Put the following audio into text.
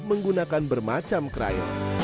menggunakan bermacam keras